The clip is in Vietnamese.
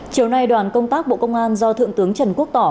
chiều nay đoàn công tác bộ công an do thượng tướng trần quốc tỏ